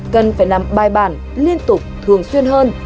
cần phải nằm bài bản liên tục thường xuyên hơn